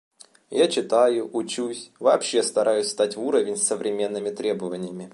Я читаю, учусь, вообще стараюсь стать в уровень с современными требованиями.